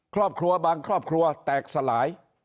ครอบครัวบางครอบครัวแตกสลาย